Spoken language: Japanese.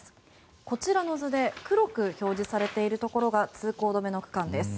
こちらの図で黒く表示されているところが通行止めの区間です。